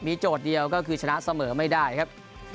โจทย์เดียวก็คือชนะเสมอไม่ได้ครับ